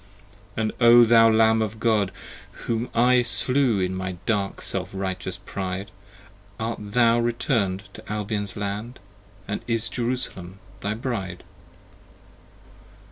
And O thou Lamb of God, whom I Slew in my dark self righteous pride, Art thou return'd to Albion's Land? 85 And is Jerusalem thy Bride?